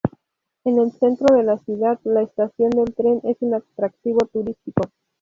En el centro de la ciudad, la estación del tren es un atractivo turístico.